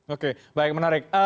oke baik menarik